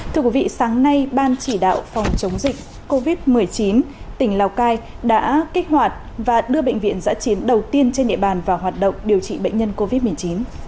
thưa quý vị sáng nay ban chỉ đạo phòng chống dịch covid một mươi chín tỉnh lào cai đã kích hoạt và đưa bệnh viện giã chiến đầu tiên trên địa bàn vào hoạt động điều trị bệnh nhân covid một mươi chín